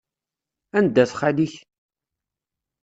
Anda-t xali-k?